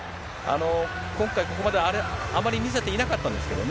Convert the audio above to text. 今回、ここまであまり見せていなかったんですけどね。